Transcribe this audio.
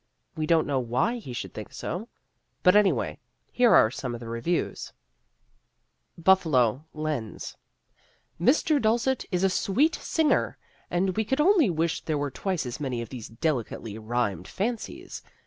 We don't know why he should think so, but anyway here are some of the reviews: Buffalo Lens: Mr. Dulcet is a sweet singer, and we could only wish there were twice as many of these delicately rhymed fancies.